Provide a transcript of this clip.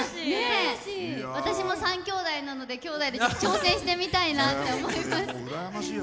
私も３きょうだいなのできょうだいで挑戦してみたいなって思います。